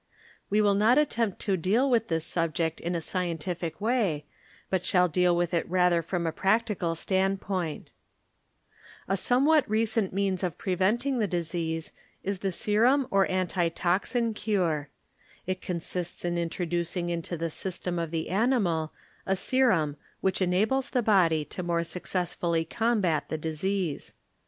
We shall not attempt to deal with this subject in a scientihc way, but shall deal with it rather from a practical standpoint. A somewhat recent the disease is the : cure. It consists in introducing into the system of the animal a serum which enables the body to more successfully combat the disease.